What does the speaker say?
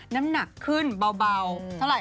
น้ำหนักขึ้นเบาเท่าไหร่คุณใครมา